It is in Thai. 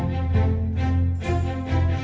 แรกเริ่มจะกลับวันที่สี่